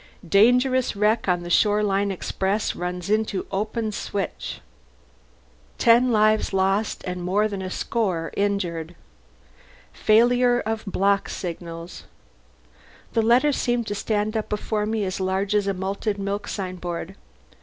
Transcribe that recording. DISASTROUS WRECK ON THE SHORE LINE EXPRESS RUNS INTO OPEN SWITCH TEN LIVES LOST, AND MORE THAN A SCORE INJURED FAILURE OF BLOCK SIGNALS The letters seemed to stand up before me as large as a Malted Milk signboard.